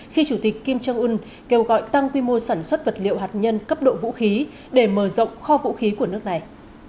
khi chủ tịch kim trương ưn kêu gọi tăng quy mô sản xuất vật liệu hạt nhân cấp độ vũ khí để mở rộng kho vũ khí của nước này